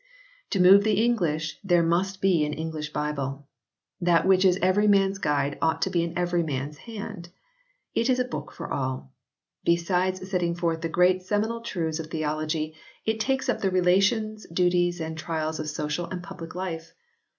To move the English there must be an English Bible. That which is every man s guide ought to be in every man s hand. It is a book for all. Besides setting forth the great seminal truths of theology it takes up the relations, duties and trials of social and public life.